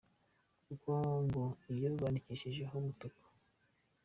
kuko ngo iyo bandikishijeho umutuku.